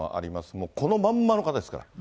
もうこのまんまの方ですから。